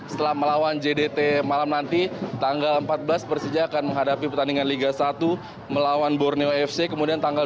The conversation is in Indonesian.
setelah melawan jdt malam nanti tanggal empat belas persija akan menghadapi pertandingan liga satu melawan borneo fc kemudian tanggal dua puluh